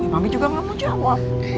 mami juga gak mau jawab